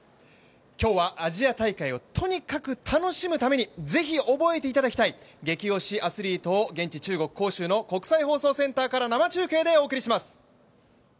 今日はアジア大会をとにかく楽しむために、ぜひ、覚えていただきたい激推しアスリートを現地、中国・杭州の国際放送センターから生中継でお送りします。